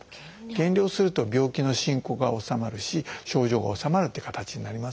減量すると病気の進行が治まるし症状が治まるっていう形になりますんで。